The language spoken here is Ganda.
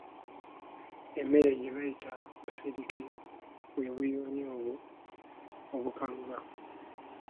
Emmere gye bayita musirike bwe buyuuni obwo obukaluba.